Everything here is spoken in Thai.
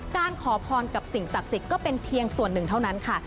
การขอพรกับสิ่งศักดิ์สิทธิ์ก็เป็นเพียงส่วนหนึ่งเท่านั้นค่ะ